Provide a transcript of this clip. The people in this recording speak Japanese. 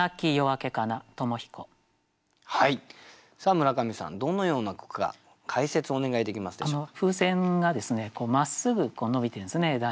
さあ村上さんどのような句か解説お願いできますでしょうか。